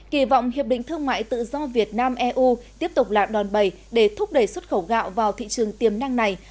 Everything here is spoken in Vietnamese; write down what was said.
kỳ vọng hiệp định thương mại tự do việt nam eu tiếp tục lạc đòn bầy để thúc đẩy xuất khẩu gạo vào thị trường tiềm năng này